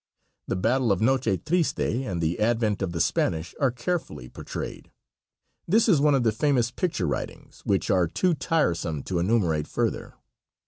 The battle of Noche Triste and the advent of the Spanish, are carefully portrayed. This is one of the famous picture writings, which are too tiresome to enumerate further.